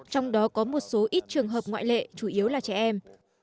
trong đó có một số ít trường hợp ngoại lệ chủ yếu là trẻ em